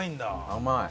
甘い。